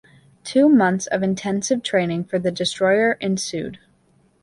Two months of intensive training for the destroyer ensued.